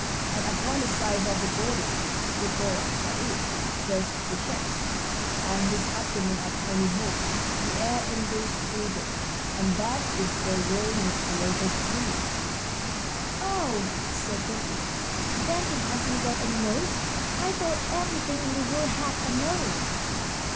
And upon the sides of the body (the thorax that is, just the chest) and his abdomen are tiny holes. The air enters through these, and that is the way Mr. Locust breathes." "Oh," said Betty, "then it hasn't got any nose? I thought everything in the world had a nose."